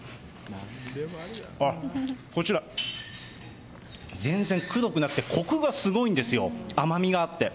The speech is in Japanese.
あっ、こちら、全然くどくなくて、コクがすごいんですよ、甘みがあって。